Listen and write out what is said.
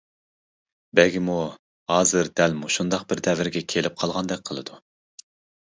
بەگمۇ ھازىر دەل مۇشۇنداق بىر دەۋرگە كېلىپ قالغاندەك قىلىدۇ.